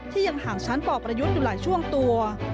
ยังห่างชั้นปประยุทธ์อยู่หลายช่วงตัว